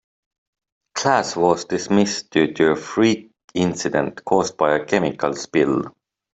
Class was dismissed due to a freak incident caused by a chemical spill.